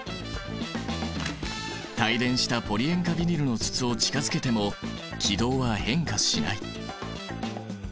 帯電したポリ塩化ビニルの筒を近づけても軌道は変化しない。